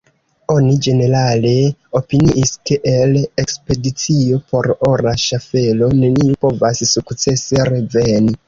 Oni ĝenerale opiniis, ke el ekspedicio por ora ŝaffelo neniu povas sukcese reveni.